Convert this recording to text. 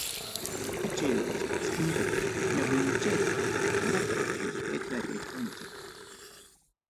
Yachay wasipim, ñawinchayta ñataq qillqayta yachanchik.